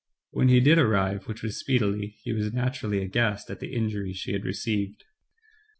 When he did arrive, which was speedily, he was naturally aghast at the injury she had re ceived.